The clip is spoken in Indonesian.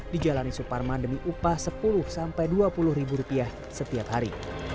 dijalani suparman demi upah sepuluh sampai dua puluh ribu rupiah setiap hari